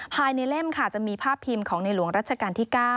เล่มค่ะจะมีภาพพิมพ์ของในหลวงรัชกาลที่๙